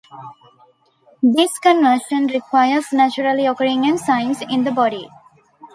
This conversion requires naturally occurring enzymes in the body.